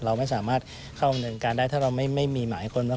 เราไม่สามารถเข้าดำเนินการได้ถ้าเราไม่มีหมายค้นว่า